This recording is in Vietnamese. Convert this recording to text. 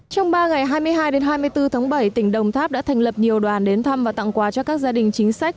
trong ba ngày hai mươi hai đến hai mươi bốn tháng bảy tỉnh đồng tháp đã thành lập nhiều đoàn đến thăm và tặng quà cho các gia đình chính sách